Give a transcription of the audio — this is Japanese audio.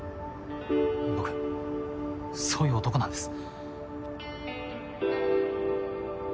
僕そういう男なんです。